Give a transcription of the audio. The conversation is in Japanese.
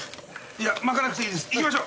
いや巻かなくていいです。